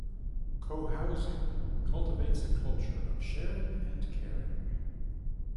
Cohousing cultivates a culture of sharing and caring.